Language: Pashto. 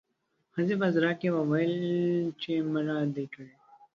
ښځې په ژړا کې وويل چې مړه دې کړه